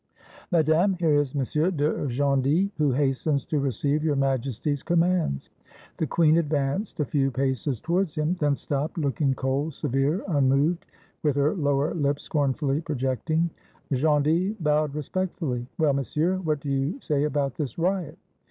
"Madame, here is M. de Gondy, who hastens to re ceive Your Majesty's commands." The queen advanced a few paces towards him, then stopped, looking cold, severe, unmoved, with her lower lip scornfully projecting. Gondy bowed respectfully. "Well, Monsieur, what do you say about this riot?"